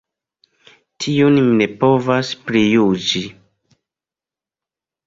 Tiujn mi ne povas prijuĝi.